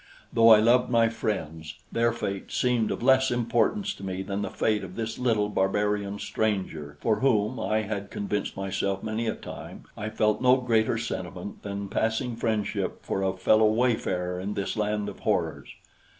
Though I loved my friends, their fate seemed of less importance to me than the fate of this little barbarian stranger for whom, I had convinced myself many a time, I felt no greater sentiment than passing friendship for a fellow wayfarer in this land of horrors.